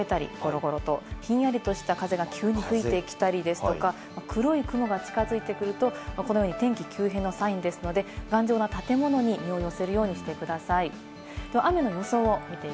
天気急変のサインというものがありまして、こちら、雷の音が聞こえたり、ゴロゴロと、ひんやりとした風が急に増えてきたりですとか、黒い雲が近づいてくると、このように天気急変のサインですので、頑丈な建物に身を寄せるようにしてください。